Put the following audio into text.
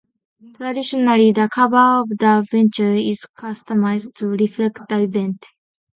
Traditionally, the cover of the bencher is customized to reflect the event.